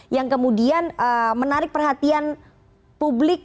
yang kemudian menarik perhatian publik